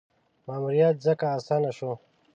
ماموریت ځکه اسانه شو.